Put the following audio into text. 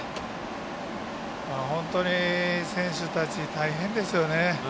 本当に選手たち大変ですよね。